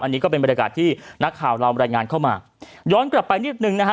อันนี้ก็เป็นบรรยากาศที่นักข่าวเรารายงานเข้ามาย้อนกลับไปนิดหนึ่งนะฮะ